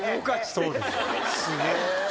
そうです。